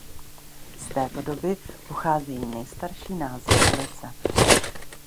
Z této doby pocházejí nejstarší názvy ulice.